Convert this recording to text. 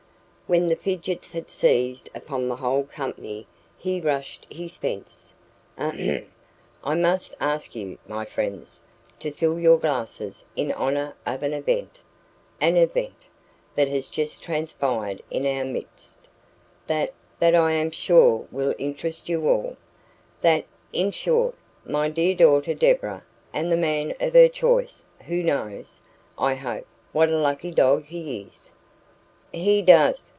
When the fidgets had seized upon the whole company, he rushed his fence. "Ahem! I must ask you, my friends, to fill your glasses in honour of an event an event that has just transpired in our midst that that I am sure will interest you all that in short, my dear daughter Deborah and the man of her choice who knows, I hope, what a lucky dog he is " "He does!"